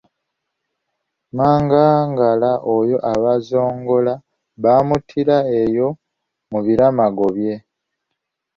Mangagala oyo Abazongola baamuttira eyo mu biramago bye.